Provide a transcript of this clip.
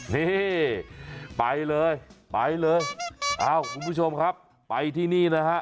นี่ไปเลยไปเลยเอ้าคุณผู้ชมครับไปที่นี่นะฮะ